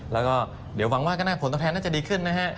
แล้วก็เดี๋ยวหวังว่าก็ได้ผลตอบแทนน่าจะดีขึ้นนะฮะ